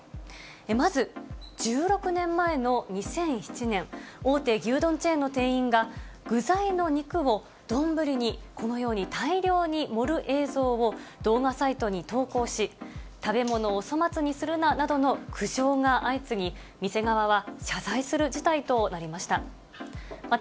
まず、１６年前の２００７年、大手牛丼チェーンの店員が、具材の肉をどんぶりにこのように大量に盛る映像を、動画サイトに投稿し、食べ物を粗末にするななどの苦情が相次ぎ、店側は、謝罪する事態となりました。